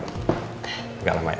enggak lama ya